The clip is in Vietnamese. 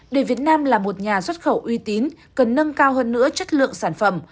để việt nam là một nhà xuất khẩu uy tín cần nâng cao hơn nữa chất lượng sản phẩm